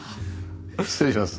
失礼します。